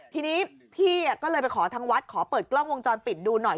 ทีนี้พี่ก็เลยไปขอทางวัดขอเปิดกล้องวงจรปิดดูหน่อย